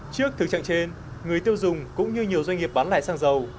trước thực trạng trên người tiêu dùng cũng như nhiều doanh nghiệp bán lại xăng dầu